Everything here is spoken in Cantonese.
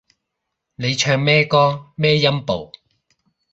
你唱咩歌咩音部